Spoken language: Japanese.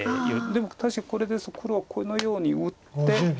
でも確かにこれで黒はこのように打って。